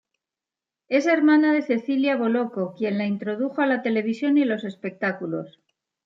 Es hermana de Cecilia Bolocco, quien la introdujo a la televisión y los espectáculos.